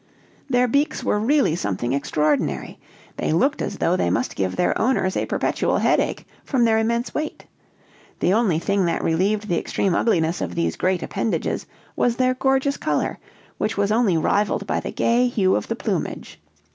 Their beaks were really something extraordinary: they looked as though they must give their owners a perpetual headache, from their immense weight. The only thing that relieved the extreme ugliness of these great appendages was their gorgeous color, which was only rivaled by the gay hue of the plumage.